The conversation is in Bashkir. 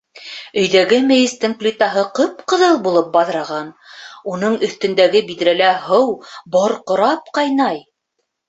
Өйҙәге мейестең плитаһы ҡып-ҡыҙыл булып баҙраған, уның өҫтөндәге биҙрәлә һыу борҡорап ҡайнай.